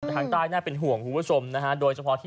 ทางตายน่าเป็นห่วงหัวชมนะฮะโดยเฉพาะที่